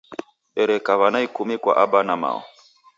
Dereka w'ana ikumi kwa Aba na Mao.